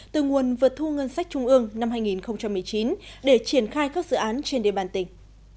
từ nguồn vượt thu ngân sách trung ương năm hai nghìn một mươi chín để triển khai các dự án trên địa bàn tỉnh